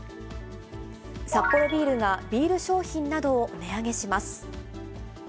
サッポロビールが、ビール商品などを値上げします。